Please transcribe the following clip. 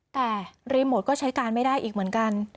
แต่รีโมทก็ใช้การไม่ได้อีกเหมือนกัน